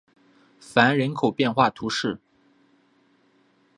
凡人口变化图示